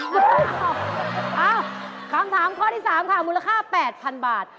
เอ้าคำถามข้อที่๓ค่ะมูลค่า๘๐๐๐บาท